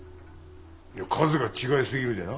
いや数が違いすぎるでな。